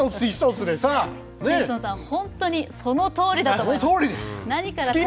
ジェイソンさん、本当にそのとおりだと思います。